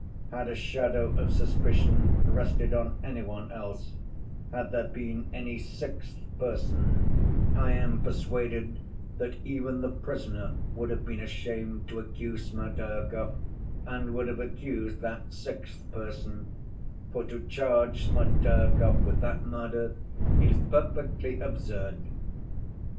Had a shadow of suspicion rested on any one else, had there been any sixth person, I am persuaded that even the prisoner would have been ashamed to accuse Smerdyakov, and would have accused that sixth person, for to charge Smerdyakov with that murder is perfectly absurd.